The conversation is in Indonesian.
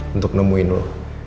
untuk nemuin lo